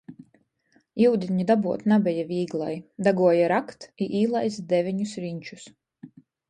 Iudini dabuot nabeja vīglai, daguoja rakt i īlaist deveņus riņčus.